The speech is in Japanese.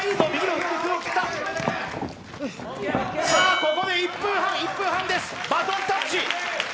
ここで１分半です、バトンタッチ。